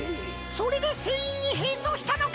それでせんいんにへんそうしたのか！